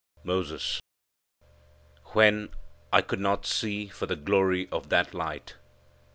Moses. "When I could not see for the glory of that light."